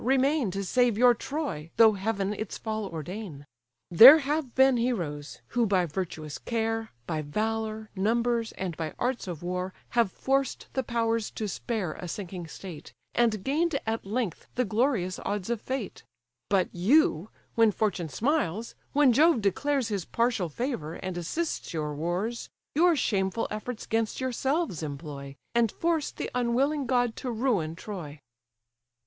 remain, To save your Troy, though heaven its fall ordain? There have been heroes, who, by virtuous care, By valour, numbers, and by arts of war, Have forced the powers to spare a sinking state, And gain'd at length the glorious odds of fate: But you, when fortune smiles, when Jove declares His partial favour, and assists your wars, Your shameful efforts 'gainst yourselves employ, And force the unwilling god to ruin Troy."